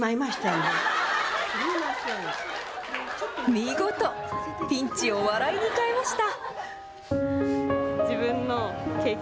見事、ピンチを笑いに変えました。